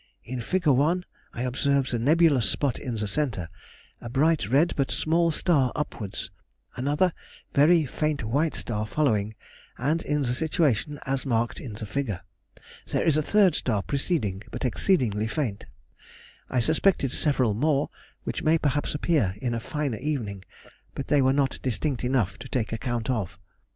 In Fig. 1 I observed the nebulous spot in the centre, a bright red but small star upwards, another very faint white star following, and in the situation as marked in the figure. There is a third star preceding, but exceedingly faint. I suspected several more, which may perhaps appear in a finer evening, but they were not distinct enough to take account of.